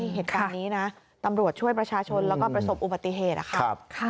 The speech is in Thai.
เหตุการณ์นี้นะตำรวจช่วยประชาชนแล้วก็ประสบอุบัติเหตุนะคะ